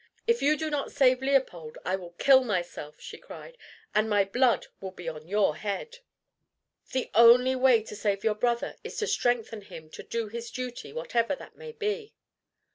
"If you do not save Leopold, I will kill myself," she cried, "and my blood will be on your head." "The only way to save your brother is to strengthen him to do his duty, whatever that may be."